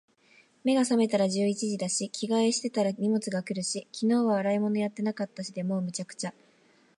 目が覚めたら十一時だし、着替えしてたら荷物が来るし、昨日は洗い物やってなかったしで……もう、滅茶苦茶。